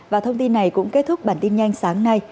và thông tin này cũng kết thúc bản tin nhanh sáng nay